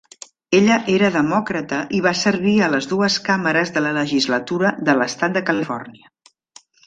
Ella era demòcrata i va servir a les dues càmeres de la Legislatura de l"estat de Califòrnia.